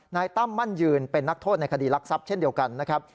ตั้มมั่นยืนเป็นนักโทษในคดีรักทรัพย์เช่นเดียวกันนะครับ